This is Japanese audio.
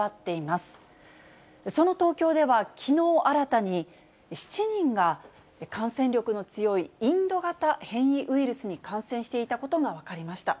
その東京では、きのう新たに７人が感染力の強いインド型変異ウイルスに感染していたことが分かりました。